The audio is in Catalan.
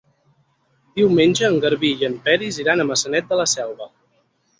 Diumenge en Garbí i en Peris iran a Maçanet de la Selva.